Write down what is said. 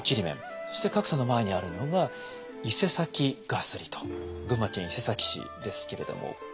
そして加来さんの前にあるのが伊勢崎絣と群馬県伊勢崎市ですけれども。